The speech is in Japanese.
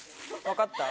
分かった？